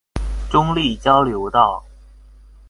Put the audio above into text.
中壢交流道